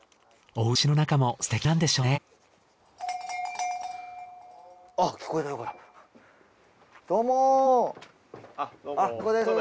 お家の中もすてきなんでしょうね。